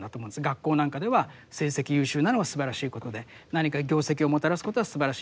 学校なんかでは成績優秀なのがすばらしいことで何か業績をもたらすことはすばらしいことだ。